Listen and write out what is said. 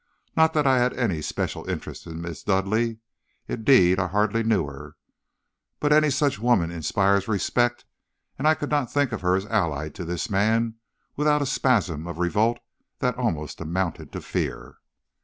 Not that I had any special interest in Miss Dudleigh; indeed, I hardly knew her; but any such woman inspires respect, and I could not think of her as allied to this man without a spasm of revolt that almost amounted to fear.